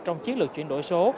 trong chiến lược chuyển đổi số